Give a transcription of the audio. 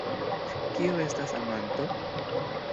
Kio estas amanto?